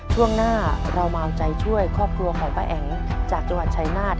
ช่วงหน้าเรามาเอาใจช่วยครอบครัวของป้าแอ๋งจากจังหวัดชายนาฏ